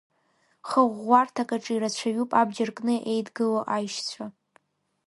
Хыӷәӷәарҭак аҿы ирацәаҩуп абџьар кны еидгылоу аишьцәа.